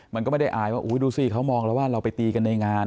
มันก็ไม่ได้อายว่าดูสิเขามองแล้วว่าเราไปตีกันในงาน